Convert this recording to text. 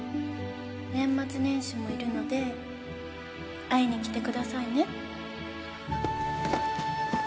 年末年始もいるので会いにきてくださいね。